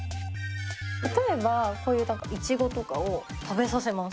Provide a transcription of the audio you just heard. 例えばこういう、いちごとかを食べさせます。